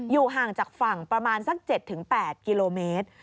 อยู่ห่างจากฝั่งประมาณ๗ถึง๘กิโลเมตร